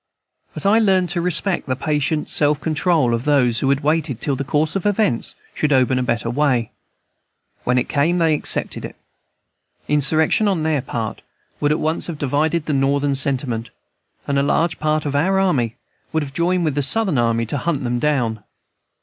But I learned to respect the patient self control of those who had waited till the course of events should open a better way. When it came they accepted it. Insurrection on their part would at once have divided the Northern sentiment; and a large part of our army would have joined with the Southern army to hunt them down.